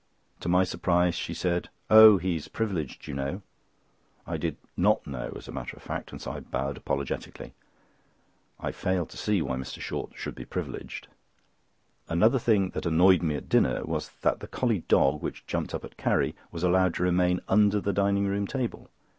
To my surprise she said: "Oh! he is privileged you know." I did not know as a matter of fact, and so I bowed apologetically. I fail to see why Mr. Short should be privileged. Another thing that annoyed me at dinner was that the collie dog, which jumped up at Carrie, was allowed to remain under the dining room table.